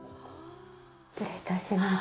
失礼いたします。